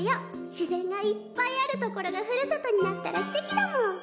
自然がいっぱいある所がふるさとになったらすてきだもん！